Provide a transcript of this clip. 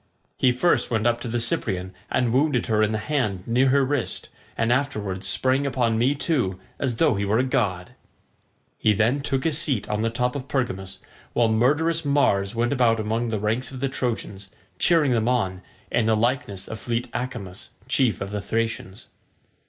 He first went up to the Cyprian and wounded her in the hand near her wrist, and afterwards sprang upon me too, as though he were a god." He then took his seat on the top of Pergamus, while murderous Mars went about among the ranks of the Trojans, cheering them on, in the likeness of fleet Acamas chief of the Thracians.